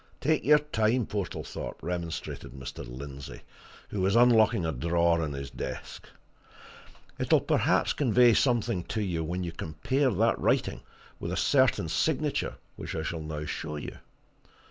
"Take your time, Portlethorpe," remonstrated Mr. Lindsey, who was unlocking a drawer in his desk. "It'll perhaps convey something to you when you compare that writing with a certain signature which I shall now show you.